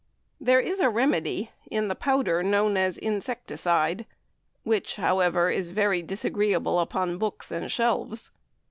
There is a remedy in the powder known as insecticide, which, however, is very disagreeable upon books and shelves.